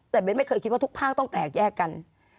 แต่เบ้นไม่เคยคิดว่าทุกภาคต้องแตกแยกกัน